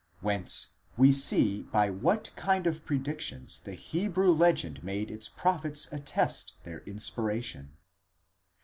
whence we see by what kind of predictions the Hebrew legend made its prophets attest their inspiration.